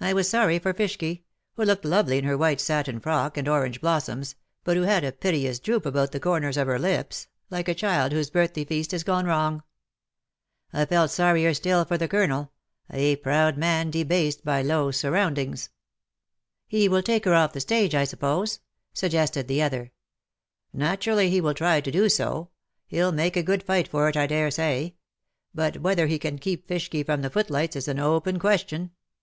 I was sorry for Fishky, who looked lovely in her white satin frock and orange blossoms, but who had a piteous droop about the corners of her lips, like a child whose birthday feast has gone wrong. I felt still sorrier for the Colonel — a proud man debased by low surroundings.'''' 144 " He will take her off the stage,, I suppose/' suggested the other. "Naturally, he will try to do so. He^ll make a good fight for it, I dare say ; but whether he can keep Fishky from the footlights is an open question.